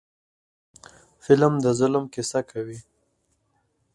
فلم د ظلم کیسه کوي